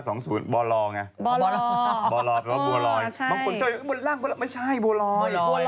บัวลอเหรอบัวลอบัวลอบว่าบัวลอยบางคนเจ้าอยู่บนร่างก็แหละไม่ใช่บัวลอย